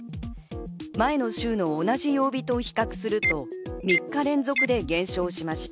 前の週の同じ曜日と比較すると、３日連続で減少しました。